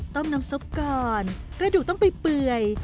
ต้มน้ำซับก่อนและดูต้องไปเปื่อย